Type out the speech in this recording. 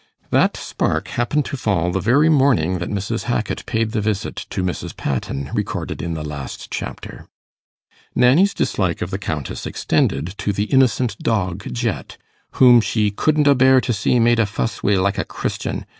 That spark happened to fall the very morning that Mrs. Hackit paid the visit to Mrs. Patten, recorded in the last chapter. Nanny's dislike of the Countess extended to the innocent dog Jet, whom she 'couldn't a bear to see made a fuss wi' like a Christian.